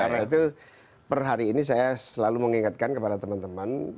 karena itu per hari ini saya selalu mengingatkan kepada teman teman